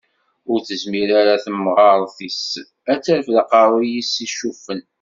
Ur tezmir ara temgerṭ-is ad terfeḍ aqerru-s icuffen.